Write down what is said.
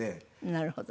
なるほど。